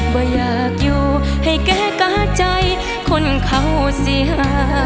ว่าอยากอยู่ให้แก้กาใจคนเขาสิฮะ